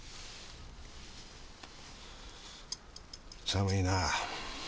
寒いなぁ。